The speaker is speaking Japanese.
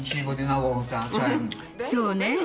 そうね。